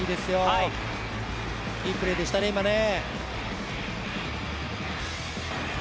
いいプレーでしたね、今ね。